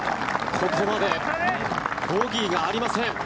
ここまでボギーがありません。